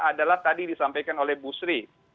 adalah tadi disampaikan oleh bu sri